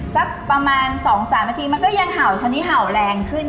สักประมาณ๒๓นาทีมันก็ยังเห่าตอนนี้เห่าแรงขึ้น